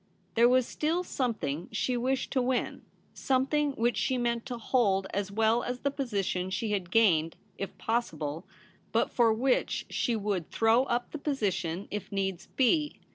There was still something she wished to win — something which she meant to hold as well as the position she had gained, if possible ; but for which she would throw up the position if needs be.